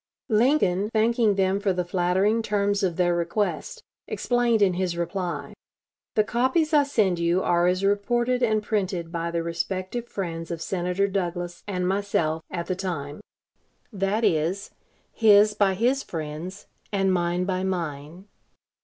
Lincoln, thanking them for the flattering terms of their request, explained in his reply: "The copies I send you, are as reported and printed by the respective friends of Senator Douglas and myself at the time that is, his by his friends, and mine by mine.